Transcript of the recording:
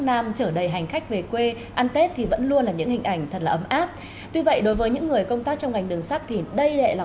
năm hai nghìn một mươi chín nhiều chuyến tàu chạy vào những ngày cao điểm đã chay vé